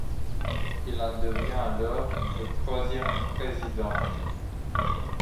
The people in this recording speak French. Il en devient alors le troisième président.